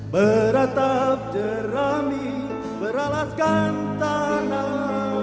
beratap jerami beralaskan tanah